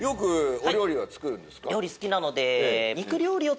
料理好きなので。